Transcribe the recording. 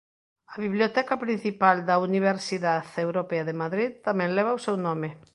A biblioteca principal da Universidad Europea de Madrid tamén leva o seu nome.